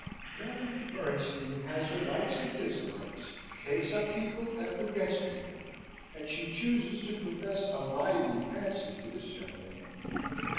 "Madame de Bernstein has her likes and dislikes, takes up people and forgets people; and she chooses to profess a mighty fancy for this young man.